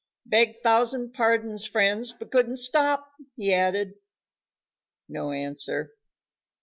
"Beg thousand pardons, friends, but couldn't stop," he added. No answer.